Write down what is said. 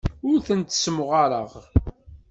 Ur tent-ssemɣareɣ.